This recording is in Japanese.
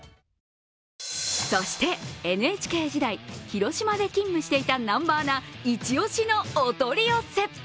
そして、ＮＨＫ時代、広島で勤務していた南波アナ、イチ押しのお取り寄せ。